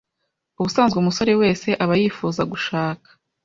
Ubusanzwe umusore wese aba yifuza gushaka